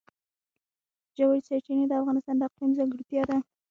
ژورې سرچینې د افغانستان د اقلیم ځانګړتیا ده.